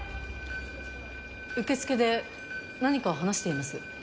受付で何かを話しています。